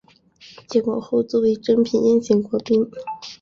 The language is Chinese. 建国后作为珍品宴请国宾。